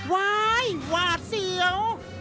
วายหวาดเสียว